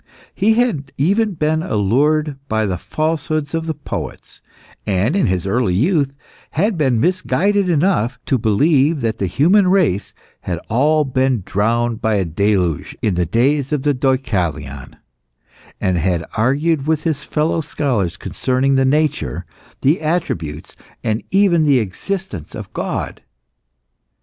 He had even been allured by the falsehoods of the poets, and in his early youth had been misguided enough to believe that the human race had all been drowned by a deluge in the days of Deucalion, and had argued with his fellow scholars concerning the nature, the attributes, and even the existence of God.